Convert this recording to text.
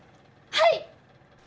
はい！